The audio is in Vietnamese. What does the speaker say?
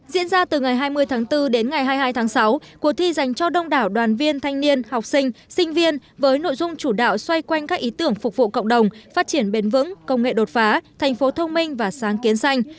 diễn ra từ ngày hai mươi tháng bốn đến ngày hai mươi hai tháng sáu cuộc thi dành cho đông đảo đoàn viên thanh niên học sinh sinh viên với nội dung chủ đạo xoay quanh các ý tưởng phục vụ cộng đồng phát triển bền vững công nghệ đột phá thành phố thông minh và sáng kiến xanh